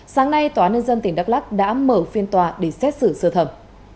sáng nay tòa nhân dân tỉnh đắk lắc đã mở phiên tòa để xét xử sơ thẩm